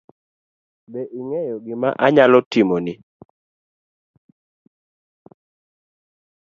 Be ing'eyo gima anyalo timoni?